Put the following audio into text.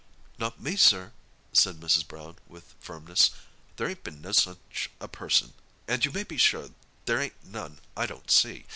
"Not me sir," said Mrs. Brown, with firmness. "There ain't been no such a person—and you may be sure there ain't none I don't see!